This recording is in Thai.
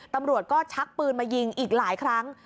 ตำรวจก็ชักปืนมายิงอีกหลายครั้ง